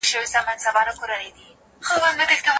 د دې شعاري بڼي له امله دا تعريف ډېر کارول کېږي.